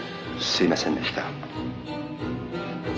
すいませんでした。